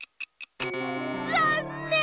ざんねん！